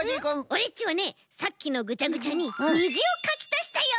オレっちはねさっきのぐちゃぐちゃににじをかきたしたよ。